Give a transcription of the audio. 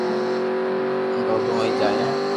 ڀوکو ھوئي جايو